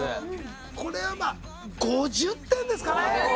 これはまあ５０点ですかね。